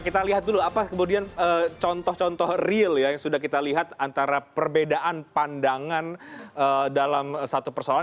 kita lihat dulu apa kemudian contoh contoh real ya yang sudah kita lihat antara perbedaan pandangan dalam satu persoalan